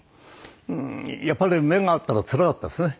やっぱり目が合ったらつらかったですね。